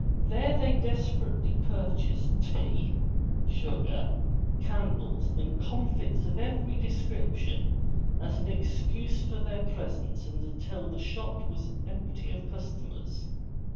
There they desperately purchased tea, sugar, candles and comfits of every description, as an ex cuse for their presence until the shop was empty of customers.